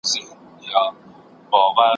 چي ماڼۍ د فرعونانو وه ولاړه ,